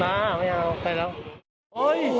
ไม่เอาไม่เอาทันแล้ว